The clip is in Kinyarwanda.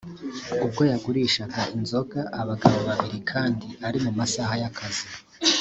ubwo yagurishaga inzoga abagabo babiri kandi ari mu masaha y’akazi